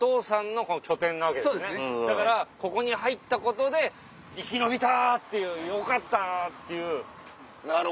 だからここに入ったことで生き延びた！っていうよかった！っていう。